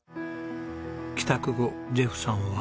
帰宅後ジェフさんは。